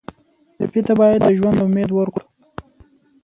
ټپي ته باید د ژوند امید ورکړو.